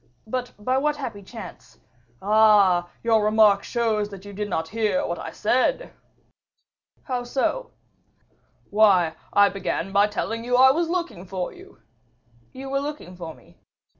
"But by what happy chance " "Ah! your remark shows that you did not hear what I said." "How so?" "Why, I began by telling you I was looking for you." "You were looking for me?"